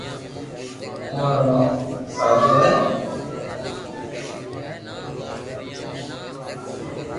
آٺوا رو نوم سآتا ھي